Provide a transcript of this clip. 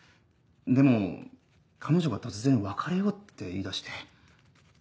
でも彼女が突然別れようって言いだして。